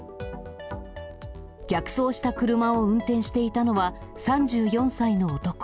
逆走した車を運転していたのは、３４歳の男。